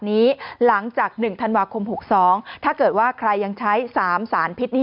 หลังจาก๑ธันวาคม๖๒ถ้าเกิดว่าใครยังใช้๓สารพิษนี่